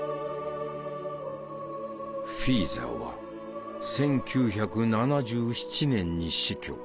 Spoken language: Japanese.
フィーザーは１９７７年に死去。